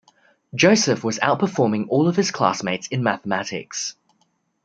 Joseph was outperforming all of his classmates in mathematics.